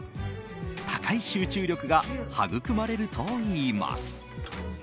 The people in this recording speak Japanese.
高い集中力がはぐくまれるといいます。